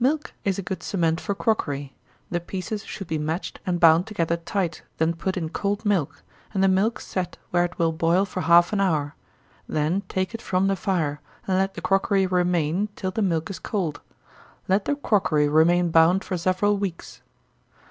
Milk is a good cement for crockery the pieces should be matched, and bound together tight, then put in cold milk, and the milk set where it will boil for half an hour; then take it from the fire, and let the crockery remain till the milk is cold. Let the crockery remain bound for several weeks.